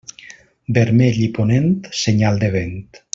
Vermell i ponent, senyal de vent.